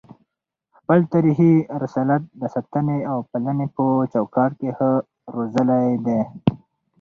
خپل تاریخي رسالت د ساتني او پالني په چوکاټ کي ښه روزلی دی